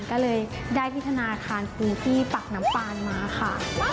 ก็เลยได้ธนาคารปูกี้ปักน้ำปานมาค่ะ